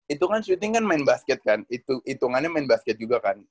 itu kan shooting kan main basket kan itu itungannya main basket juga kan